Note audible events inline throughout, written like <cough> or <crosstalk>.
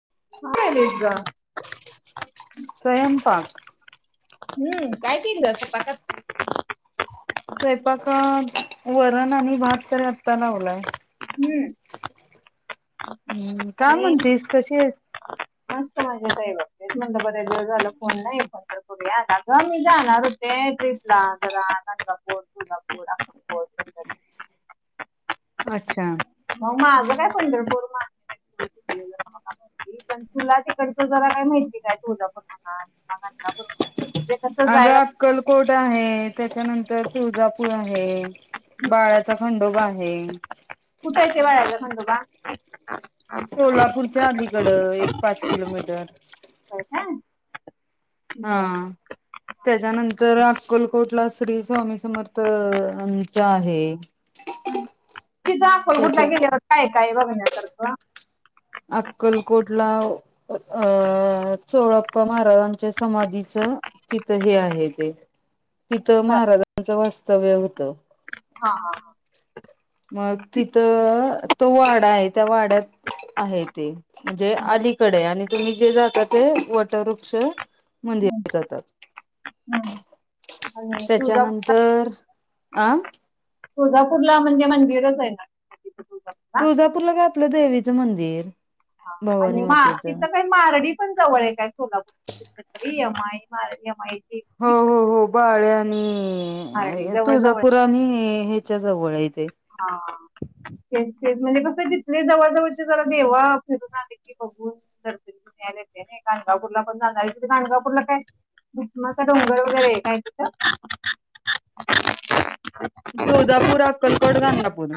<inaudible> हम्म! स्वयंपाक काय केली ग स्वयंपाक? स्वयंपाक वरण आणि भात तर आत्ता लावलाय. हम्म! हम्म! काय आणि म्हणतेस कशी आहे? मस्त मजेत आहे बघ म्हणल बरेच जर झालं फोन नाही फोन तर करूया. आग मी जाणार. ते ट्रिपला जरा गाणगापूर, तुळजापूर, अक्कलकोट. पंढरपूर अच्छा! मग माझं काय पंढरपूर मागे माहिती तुला तिकडचं जरा काय माहिती काय? तुळजापूर म्हणा किंवा गाणगापूर म्हणा. <unintelligible> तर अगं जायला. अक्कलकोट आहे. त्याच्यानंतर तुळजापूर आहे. बाळाचा खंडोबा आहे. कुठा आहे ते बाळाचा खंडोबा? सोलापूरच्या अलीकडं एक पाच किलोमीटर. काय बरं हा. त्याच्यानंतर अक्कलकोटला श्री स्वामी समर्थ यांचा आहे. तिथ अक्कलकोटला त्याच्या गेल्यावर काय काय बघण्यासारखं? अक्कलकोटला अ चोळाप्पा महाराजांच्या समाधीचा तिथं हे आहे ते तिथं बरं महाराजांचं वास्तव्य होतं. हा हा हा. मग तिथं तो वाडा आहे त्या वाड्यात आहे ते. म्हणजे अलीकडे आणि तुम्ही जे जाता ते वटवृक्ष हम्म, मंदिर जातात हम्म. आणि तुळजापूर त्याच्यानंतर आं तुळजापूरला म्हणजे मंदिरच आहे ना. तिथं तुळजापूरला तुळजापूरला काय आपलं देवीचं मंदिर. भवानी आणि मा मातेचं तिथं काही मारडी पण जवळ आहे काय सोलापूर कुठतरी? <inaudible> हो हो हो बाळ्या मारडी आणि जवळ जवळ तुळजापूर आणि च्या जवळ आहेत. हा. ते म्हणजे कसं जिथे जवळ जवळचे जरा देव फिरून आले की बघून दर्शन घेऊन यायला येतंय ना. गाणगापूला पण जाणार आहे. तिथं गाणगापूरला काय? भुतानाचा डोंगर वगैरे आहे काय तिथं? <inaudible> तुळजापूर, अक्कल कोट गाणगापूर.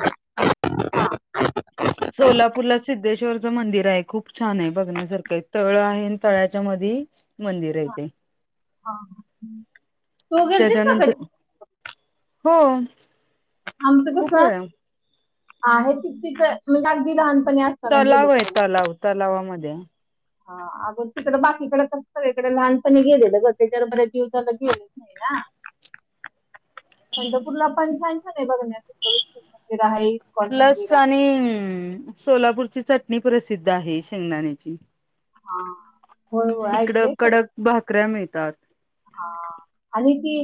सोलापूरला सिद्ध चश्वरच मंदिर आहे खूप छान आहेबघण्यासारखं तळ आहे. तळ्याच्या मध्ये मंदिर आहे ते. हा तू गेलतीस का कधी? त्याच्यानंतर हो. आमचं खूप कस वेळा आहे ति तिथं मी अगदी लहान तलाव आहे तलाव तलावामध्ये हा अगं तिकड बाकीकडें कस सगळी इकडे लहानपणी गेलेलं ग त्याच्या बऱ्याच दिवस झालं गेलोच नाही ना. पंढरपूरला पण छान छान आहे ही बघण्यासारखं विठ्ठल मंदिर आहे इस्कॉन प्लस मंदिर आहे आणि सोलापूरची चटणी प्रसिद्ध आहे शेंगदाण्याची हा होय होय तिकडं ऐकलंय खरं कडक भाकऱ्या मिळतात हा आणि ती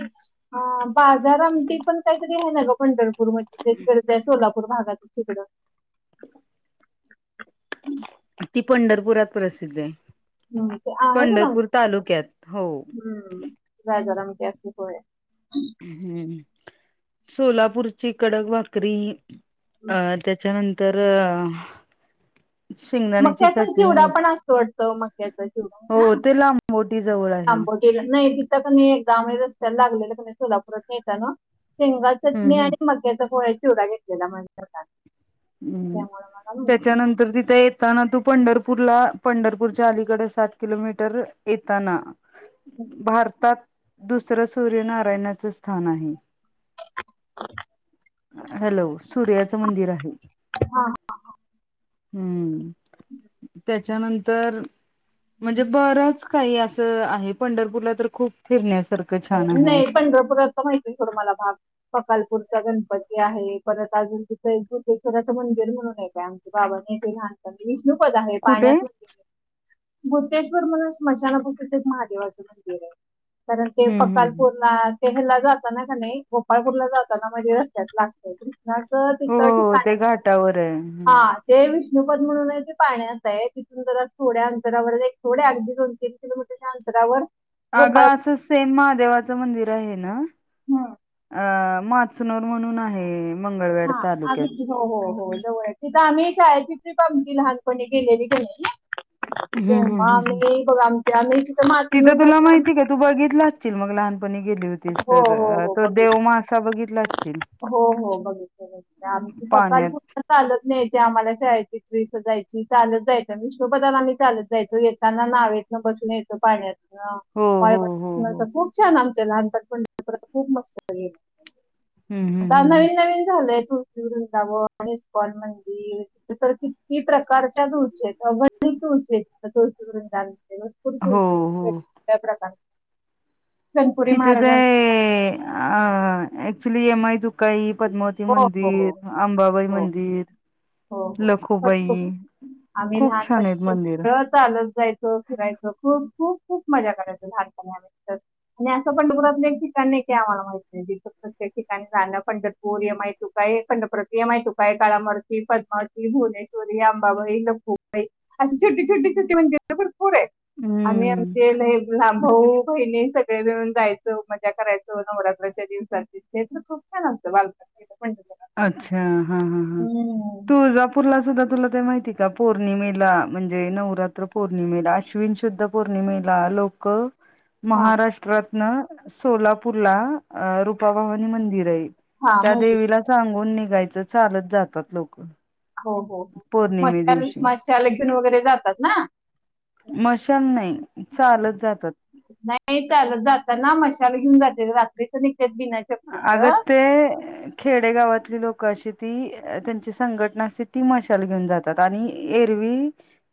ह बाजारआमटी पण काहीतरी आहे ना ग पंढरपूर मध्ये त्याकडे सोलापूर भागात. तिकड ती पंढरपुरात प्रसिद्ध आहे. हम्म ते आ जरा पंढरपूर तालुक्यात हो हम्म जराम क होय हम्म सोलापूरची कडक भाकरी हम्म. अं त्याच्यानंतर शेंगदाण्याची मक्याचा चटणी चिवडा पण असतो वाटतं मक्याचा चिवडा हो ना? ते लांबोटी जवळ आहे <unintelligible> नाही तिथं तर मी एकदा <unintelligible> <unintelligible> सोलापुरात नेताना शेंगा हम्म चटणी हम्म आणि मक्याचा पोह्या चिवडा घेतलेला. <unintelligible> हम्म त्यामुळे मला माहिती त्याच्यानंतर तिथं येत ताना तू पंढरपूरला पंढरपूरच्या अलीकडे सात किलोमीटर येताना भारतात दुसरं सूर्यनारायणाचं स्थान आहे. हॅलो सूर्याचं मंदिर आहे. हा, हा, हा. हम्म. त्याच्यानंतर म्हणजे बरंच काही असं आहे पंढरपूरला तर खूप फिरण्यास. नाही पंढरपुरात तर माहिती आहे थोडा मला भाग ककालपूरच्या गण पती आहे परत अजून तिथं एक <unintelligible> मंदिर म्हणून आहे काय आमच्या बाबानी न्यायचे लहानपणी खूपच आहे कुठे पाण्यात होती. बोतेश्वर म्हणून स्मशापाशीच एक महादेवाचं मंदिर आहे. कारण ते हम्म हम्म फकारपूरला तेहरला जाताना का नाही गोपाळपूरला जाताना म्हणजे रस्त्यात लागतय. न तं हो ठिकाण हो ते आहे घाटावर आहे हा ते <unintelligible> विष्णोपद म्हणून आहे ते पाण्याच आहे. तिथून जरा थोड्या अंतरावर थोड्या अगदी दोन तीन किलोमीटरच्या अंतरावर आग गोपाळ असं सेम महादेवाचं मंदिर आहे ना हं. अ माचनर म्हणून आहे. मंगळवेढ हा अग तालुक्यात. हो, हो, हो. तिथं आम्ही शाळेची ट्रिप आमची लहानपणी गेलेली. <unintelligible> हम्म ग हम्म हम्म हम्म. आम्ही बघा आमच्या आम्ही तिथं मातीमूळ तुला जात्रा आम्ही- माहिती का तू बघितला <unintelligible> मग लहानपणी गेली होतीस हो हो तर हो तो बघ देवमासा असा बघितला असशील. हो हो बघितला बघितला आमची पाण्यात <unintelligible> चालत न्यायची आम्हाला शाळेची ट्रीप. जायची चालत जायचं विष्णूपदाला मी चालत जायचो. येताना नावेतन बसून यायचो पाण्यात. ह हो हो हो हो. <unintelligible> खूप छान आम लहानपण पण <unintelligible> खूप मस्त गेल. हम्म हम्म आता हम्म हम्म. नवीन नवीन झालंय खूप. <unintelligible> आणि इस्कॉन मंदिर ते तर किती प्रकारच्या दूरचे. <unintelligible> हो, हो. सनपुरी महाराजांचा. आ एकचूली एम आय दुकाई, पद्मावती हो, मंदिर, हो. अंबाबाई हो, मंदिर हो, हो. लखुबाई खूप छान आहेत मंदिर. जायच, फिरायच खूप, खूप, खूप मजा करायचो लहानपणी आम्ही आणि असं पंढपुरातले ठिकाण नाही की आम्हाला माहित नाही तिथं प्रत्येक ठिकाणी जाणं, पंढरपूर येमायतुका हे पंढरपुरात येईमायतू का कालामर्ती पद्मामवती भुवनेश्वरी अंबाबाई खूप काही असे छोटे छोटे छोटे. <unintelligible> भरपूर आहे. आम्ही हम्म. आमचे लई लहान भाऊ बहिणी सग <unintelligible> जायचो उपाद्या करायचो नवरात्राच्या दिवसात <unintelligible> खूप छान असत बालपण. <unintelligible> अच्छा हा हा हा हम्म. तूळजापूरला सुद्धा तुला <unintelligible> माहिती का पौर्णिमेला म्हणजे नवरात्र पौर्णिमेला अश्विन सुुद्धा पौर्णिमेला लोक हा महाराष्ट्रातन सोलापूरला आ रूपाभवानी मंदिर आहे. हा त्या माहिती देवीला आहे. सांगून निघायचं चालत जातात लोक. हो हो हो हो मा पौर्णिमे दिवशी माशाल घेऊन वगैरे जातात ना? मशाल नाही चालत जातात. नाही जाताना मशाला घेऊन जाते रात्रीच निघतात बिना चपलीच अगत ते खेडेगावातले लोक अशी ती तेचि सांगटना असती ती माश्याला घेऊन जातात आणि एरवी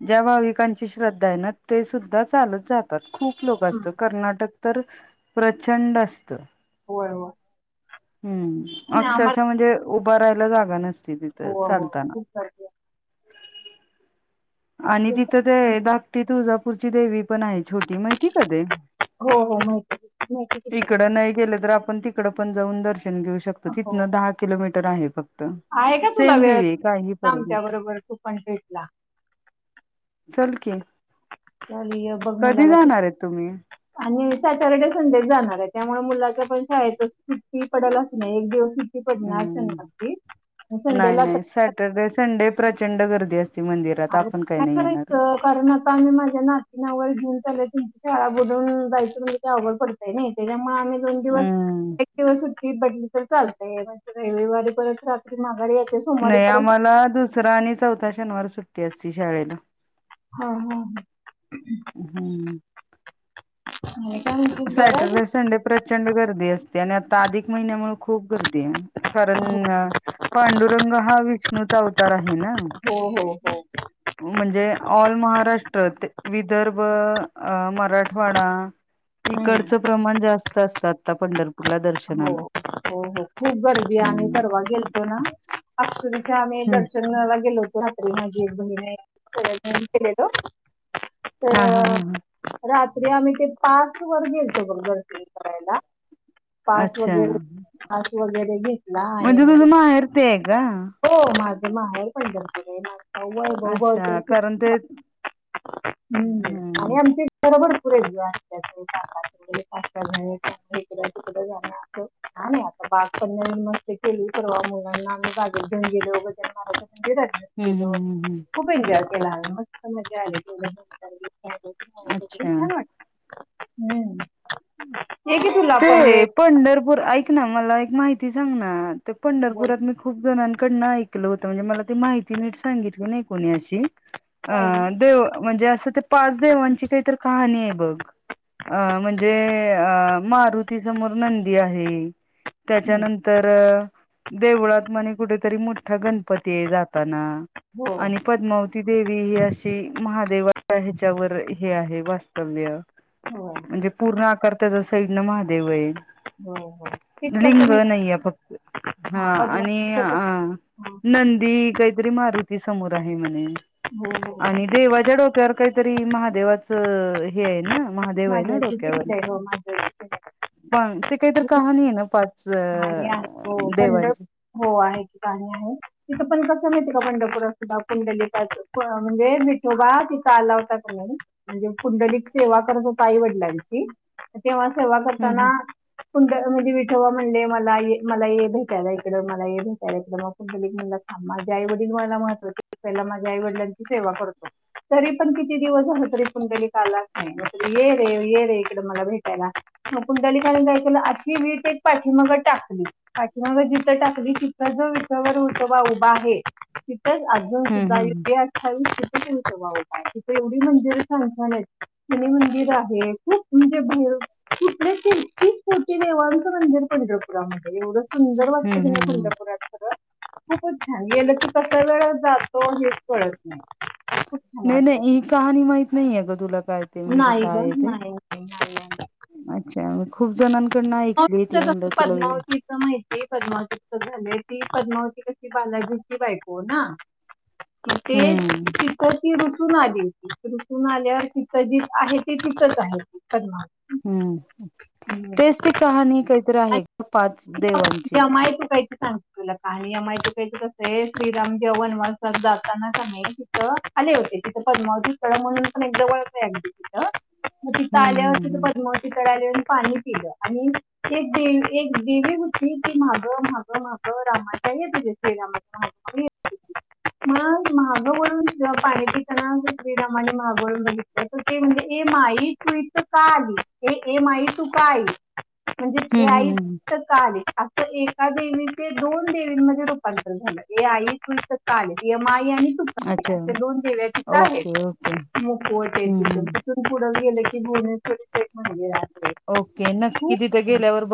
भाविकांची श्रद्धा आहे ना ते सुद्धा चालत जात खूप लोक असत कर्नाटक तर प्रचंड असत होय होय हम्म आणि अक्षरशः आम्हाला म्हणजे उभं राहायला जागा नसत तर हो हो चालताना खूप गर्दी आणि असते. तिथं ते धाकटी तुळजापूरची देवी छोटी मातीका हो हो माहिती माहिती की देव इकड नाही गेलातर आपण त त पण जाऊन दर्शन घेऊ शकतो हो तिथनं दहा किलोमीटर आहे फक्त आहे का तुला सेम वेळ देवी आहे काही फरक नाही लामच्याबरोबर तू पण भेटला चल कि चालय बघ मुलाला आहेत तुम्ही? आणि सॅटर्डे संडे जाणार आहे त्यामुळे मुलाचं पण शाळेत सुुट्टी पडलच नाही एक दिवस सुट्टी पडणार हम्म शनिवारची नाही संडेला तर नाही सॅटरडे संडे प्रचंड गदी काय करायचं कारण आता आम्ही माझ्या नाती नावर घेऊन चालय तम शाळा बुडून जायचं म्हणजे ते अवघड पडतय नाही त्याच्यामुळे आम्ही दोन दिवस हम्म. एक दिवस ी बडली तर लय म्हणजे रविवारी परत रात्री महागाडी नाही आम्हाला दुसरा आणि चौथा शनिवार सुट्टी असती शाळेला हा हा ह हम्म <inaudible> बरं आहे की? सॅटरडे संडे प्रचंड गर्दी असते आणि आता अधिक महिन्यामुळे खूप गर्दी आहे कारण ह पांडुरंग हा विष्णूचा अवतार आहे ना हो हो हो. म्हणजे ऑल महाराष्ट्र ते विदर्भ मराठवाडा हम्म. इकडचं प्रमाण जास्त असत आता पंढरप हो हो हो खूप गर्दी आम्ही हम्म परवा गेलतो ना अ तथे आम्ही हम्म. दर्शनला गेलो होतो रात्री माझी बहीण केले तो हां, हां, हां, हां. तरात आम्ही ते पास वर गेलतो बघ दर्शन करायला पास अच्छा. वगैरे पास वगैरे घेतला आणि म्हणजे मग तुझं माहेर ते आहे का? हो माझ ज हर पणरत आहे ना <unintelligible> भाळ भाऊभव त्या अच्छा कारण ते हम्म आणि आमचे बरोबर <unintelligible> असत व <unintelligible> जा नाही आता बाग पण मस्त केली न परवा मुलांना आम्ही बागेत घेऊन गेलो म <inaudible> म्हणजे हं, हं, केो हं, हं. खूप एन्जॉय केला मस्त मजा आली <unintelligible> हम् अच्छा. हे क तू लाभ <unintelligible> ते पंढरपूर ऐक ना मला एक माहिती सांग ना ते बोल पंढरपुरात मी खूप जणां ड ऐकलं होत म्हणजे मला ते माहिती नीट सांगितली नाही काय ना <unintelligible> देव म्हणजे असं ते पाचदेवांची काहीतरी कहाणी आहे बघ म्हणजे जे अ मारुती समोर नंदी आहे हो त्याच्यानंतर देवळात म्हणे कुठेतरी मोठा गणपती आहे जाताना होय आणि पद्मावती देवी ही अशी महादेवा ह्याच्यावर हे आहे वास्तव्य हो म्हणजे पूर्ण आकार त्याच्या साईडने महादेव आहे होय ते कसं लिंग माहिती नाहीय फक्त हा आणि पद्मावती हो अ नंदी काहीतरी मारुती समोर आहे म्हणे हो आणि देवाच्या डोक्यावर काहीतरी महादेवाचं हे आहे ना महादेव आहे ना डोक्या मा <unintelligible> पण ते काहीतरी कहाणी आहे ना पाच गाणी आहेत हो पंढर देवांची. हो आहे आहे तिथ पण कस माहिती पंढरपुरात सुधा पुंडलीकाच म्हणजे विठोबा तिथ आलावता की नाही म्हणजे पुंडलिक सेवा करत हो आईवडलांची तेव्हा सेवा हम्म करताना हम्म कुंड म्हणजे विठोबा म्हटले मलाएक मला भेटायला इकडे मला हे भेटायला इकडे मग पुंडलिक म्हंटला माझे आईवडील मला महत्वाचे पहिला माझ्या आईवडिला मी त्यांची सेवा करतो तरी पण किती दिवस झालं तरी पुंडलिक आलाच नाही ये रे ये रे इकडे मला भेटायला मग पुंडलिकाने काय केलं अशी वीठ एक पाठीमागे टाकली मग जिथ टाकली तिथं जो विटेवर विठोबा उभा आहे तिथंच अजून हम्म सुद्धा हम्म. युगे अठ्ठावीस विठोबा उभा आहे तिथे एवढी जर मंदिर छान छान आहेत शनी मंदिर आहे खूप म्हणजे भ तिकडे तैतीस कोटी देवांचं मंदिर पंढरपुरामध्ये एवढ सुंदर हम्म वाटत की हम्म नाही हम्म. पंढरपुरात खरं खूपच छान गेलं कि कसा वेळ जात तो हेच कळत नाही खूप छान नाही नाही वाटतं ही कहाणी माहित नाही अ गं तुला काय ते म्हणजे नाही ग काय आहे ते नाही नाही अच्छा खूप जणांकडनं ऐकली ती म्हणलं तुला वि- पद्मावतीच माहितीय पद्मावती झाले ती पद्मावती कशी बालाजीची बायको ना त तेच हम्म तिथ ती रुसून आली होती रुसून आल्यावर तिथं जी आहे ती तिथंच आहे त हम्म तेच ति कहाणी काही मित्र आहे पाच देवांचे सांग तुला कहाणी माहिती का कसं आहे श्रीराम जेव्हा वनवासाला जाताना कनै तिथं आले होते तिथं पण मम्हणून पण एक ज वळ आहे अगदी तिथं मग तिथं हम्म हम्म आल्यावरती तर हम्म. पद्मावतीकडे आली आणि पाणी पिलं आणि एक दे एक देवी होती ती मागं माग माग रामाच्या येत होती श्रीरामांच्या मागे आणि मग महागवळन पाणी पिताना श्री रामाने महागळून बघितलं तर ते म्हणजे माई तू इथं का आली ए ए माई तु का आली म्हणजे ते हम्म आई हम्म हम्म फक्त का आली एका देवीचे दोन देवींमध्ये रूपांतर झालं ए आई की कालेम आय आणि तू अच्छा े दोन दिव्याचेच आहेत ओके ओके मुकवटे हम्म तिथून हम्म. तिथून पुढं गेले की तिथे भुहनेश्वरीचा एक मंदिर आहे ओके नक्की खूप तिथे गेल्यावर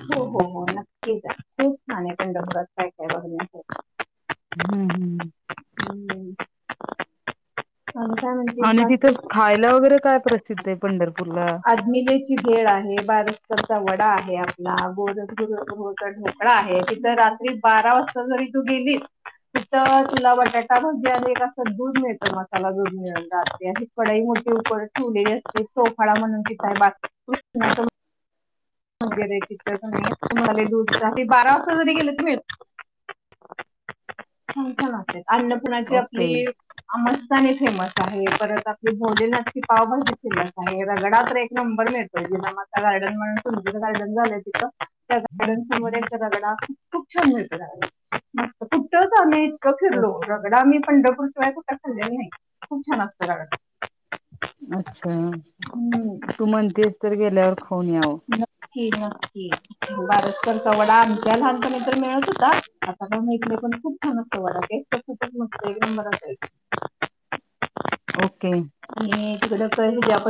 हो हो हो नक्कीच खूप छान आहे पंढरपूरातकाय काय बघण्या सारखं हम्म हम्म हम्म स काय म्हण आणि तिथं बाकीकी खायला वगैरे काय प्रसिद्ध आहे पंढरपूरला? आदमी खेळ आहे बारसचा वडा आहे आपला गो ढकड आहे तिथ रात्री बारा वाजता जरी तू गेलीस तथ तुला बटाटामध्ये आणि अस दूध मिळत त्याला दूध मिळून जातते कडाई मोठी उड ठेवलेली असते सोफाडा म्हणून तिथय ब ख वगैरे तथच त्हाला दू बारा वाजता जरी गेले तुम्ही ां अन्नपूणाची आपली ओके. आम फेमस आहे परत आपली भोजनाची पावभाजी फिलस आहे रगडाात एक नंबर मिळत. ि माा गार्डन म्हणचं गार्डन झालं तिथं त्या गार्डन समोर एकादागा खूप छान मित मस्त कुठच आम्ही इतकं ओ फिरलो रगडा आम्ही पंढरूरशिवाय खुठं खाले नाही खूप छान असतं. अच्छा तू म्हणतेस तर गेल्यावर खाऊन यावं. न बारसकरचा वडा आमच्या लहानपणी तर मिळत होता आता पण मा पण खूप छानवा लागेल ख मईल ओके. तण